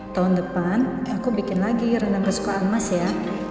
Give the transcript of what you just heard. tahun depan aku bikin lagi rendang kesukaan emas ya